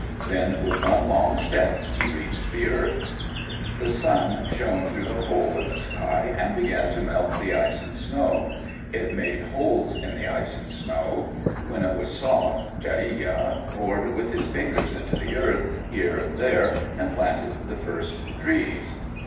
Then with one long step he reached the earth. The sun shone through the hole in the sky and began to melt the ice and snow. It made holes in the ice and snow. When it was soft, Chareya bored with his finger into the earth, here and there, and planted the first trees.